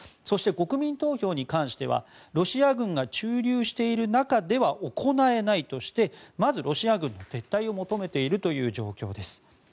そして、国民投票に関してはロシア軍が駐留している中では行えないとしてまずロシア軍の撤退を求めているという状況です。